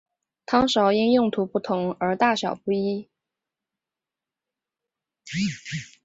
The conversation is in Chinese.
汤勺因用途不同而大小不一。